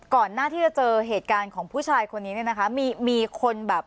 ก่อนหน้าที่จะเจอเหตุการณ์ของผู้ชายคนนี้เนี่ยนะคะมีมีคนแบบ